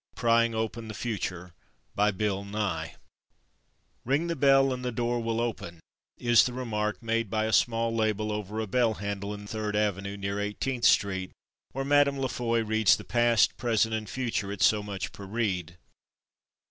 Prying Open the Future "Ring the bell and the door will open," is the remark made by a small label over a bell handle in Third avenue, near Eighteenth street, where Mme. La Foy reads the past, present and future at so much per read.